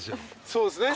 そうですね。